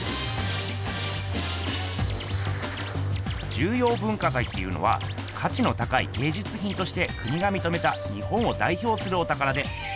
重要文化財っていうのはかちの高いげいじゅつひんとして国がみとめた日本をだいひょうするおたからで。